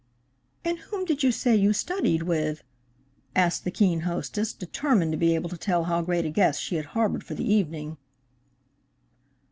"And whom did you say you studied with?" asked the keen hostess, determined to be able to tell how great a guest she had harbored for the evening.